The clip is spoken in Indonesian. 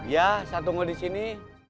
ya saya tunggu di sini